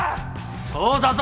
そうだぞ